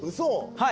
はい。